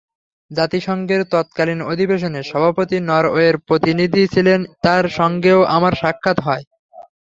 জাতিসংঘের তত্কালীন অধিবেশনে সভাপতি নরওয়ের প্রতিনিধি ছিলেন তাঁর সঙ্গেও আমার সাক্ষাৎ হয়।